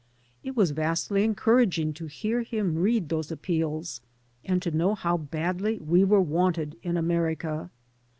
It was vastly encouraging to hear him read those appeals and to know how badly we were wanted in America.